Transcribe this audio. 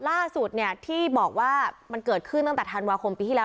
ล่าสุดเนี่ยที่บอกว่ามันเกิดขึ้นตั้งแต่ธันวาคมปีที่แล้ว